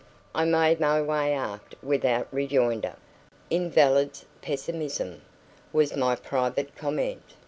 I made my way aft without rejoinder. "Invalid's pessimism," was my private comment.